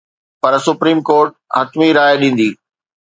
پر supreme court حتمي راءِ ڏيندي.